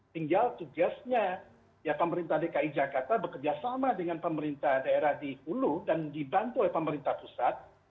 tinggal tugasnya ya pemerintah dki jakarta bekerja sama dengan pemerintah daerah di hulu dan dibantu oleh pemerintah pusat